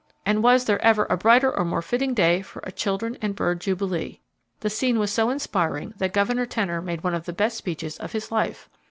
And was there ever a brighter or more fitting day for a children and bird jubilee! The scene was so inspiring that Gov. Tener made one of the best speeches of his life.